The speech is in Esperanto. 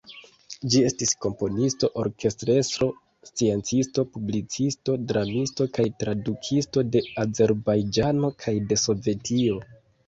Ĝi estis komponisto, orkestrestro, sciencisto, publicisto, dramisto kaj tradukisto de Azerbajĝano kaj de Sovetio.